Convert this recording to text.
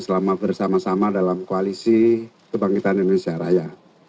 selama bersama sama dalam koalisi kebangkitan indonesia raya